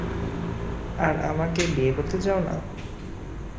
আর আমাকে বিয়ে করতে চাও না।